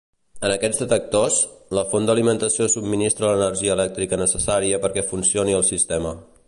En aquests detectors, la font d'alimentació subministra l'energia elèctrica necessària perquè funcioni el sistema.